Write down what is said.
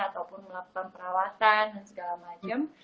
ataupun melakukan perawatan dan segala macam